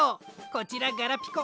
こちらガラピコ。